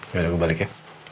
gak ada gue balik ya